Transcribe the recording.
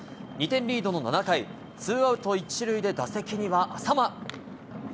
２点リードの７回ツーアウト１塁で、打席には淺間。